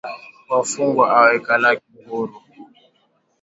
Wafungwa awaikalaki huuru